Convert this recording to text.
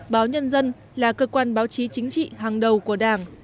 báo nhân dân là cơ quan báo chí chính trị hàng đầu của đảng